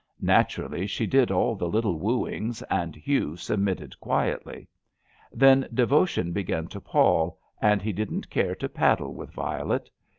Naturally, she did all the little wooings, and Hugh submitted quietly. Then devotion began to pall, and he didn't care to paddle with Violet.